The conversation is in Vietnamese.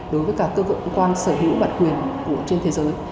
đối với cả cơ cộng quan sở hữu bản quyền của trên thế giới